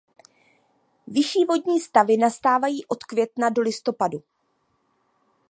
Vyšší vodní stavy nastávají od května do listopadu.